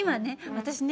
私ね